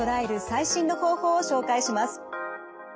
最新の方法を紹介します。